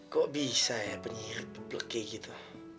kok bisa ya penyihir pepeleki gitu